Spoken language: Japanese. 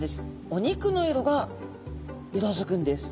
お肉の色が色づくんです。